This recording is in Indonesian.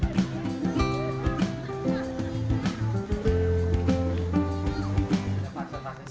sehingga mereka harus ngadem istilahnya dengan kipas